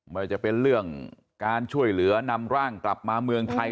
ว่าจะเป็นเรื่องการช่วยเหลือนำร่างกลับมาเมืองไทย